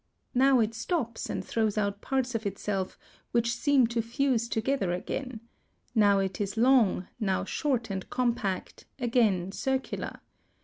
Now it stops and throws out parts of itself which seem to fuse together again; now it is long, now short and compact, again circular.